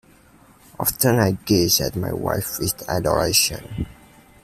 Often I gaze at my wife with adoration.